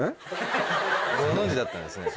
ご存じだったんですね。